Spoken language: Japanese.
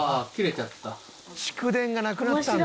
蓄電がなくなったんだ。